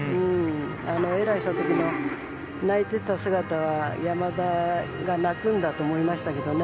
エラーした時の泣いてた姿は山田が泣くんだと思いましたけどね。